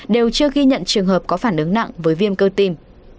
đều chưa ghi nhận trường hợp có phản ứng nặng với viêm cơ tim